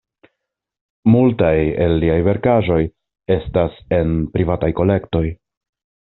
Multaj el liaj verkaĵoj estas en privataj kolektoj.